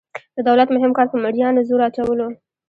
د دولت مهم کار په مرئیانو زور اچول وو.